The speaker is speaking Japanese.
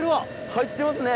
入ってますね！